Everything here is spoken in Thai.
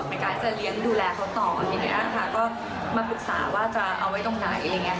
ไม่กลายจะเลี้ยงดูแลเขาต่ออย่างเงี้ยค่ะก็มาปรึกษาว่าจะเอาไว้ตรงไหนอย่างเงี้ยค่ะ